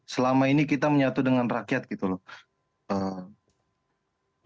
selama ini kita menyatu dengan rakyat gitu loh